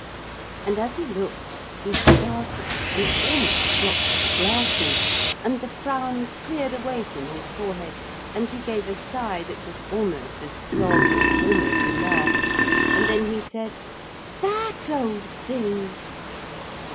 And as he looked he started and almost dropped the glasses, and the frown cleared away from his forehead and he gave a sigh that was almost a sob and almost a laugh, and then he said 'That old thing!'